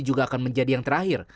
juga akan menjadi yang terakhir